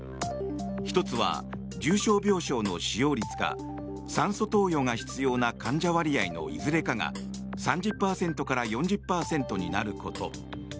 １つは重症病床の使用率か酸素投与が必要な患者割合のいずれかが３０％から４０％になること。